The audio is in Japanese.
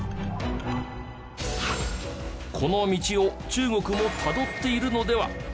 この道を中国もたどっているのでは？